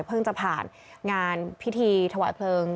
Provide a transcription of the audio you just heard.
จะผ่านงานพิธีถวายเพลิง